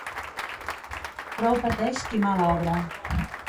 Prou pateix qui mal obra.